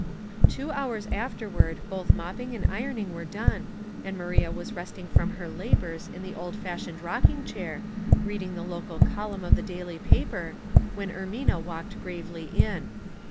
Two hours afterward both mopping and iron ing were done, and Maria was resting from her labors in the old fashioned rocking chair, 192 Household Puzzles, reading the local column of the daily paper, when Ermina walked gravely in.